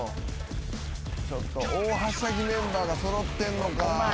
ちょっと大はしゃぎメンバーが揃ってんのか。